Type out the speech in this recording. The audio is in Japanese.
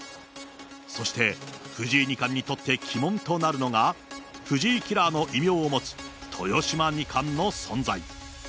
そして、藤井二冠にとって鬼門となるのが、藤井キラーの異名を持つ、豊島二冠の存在。